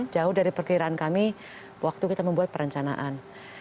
jauh dari perkiraan kami waktu kita membuat perencanaan